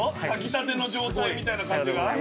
炊きたての状態みたいな感じが？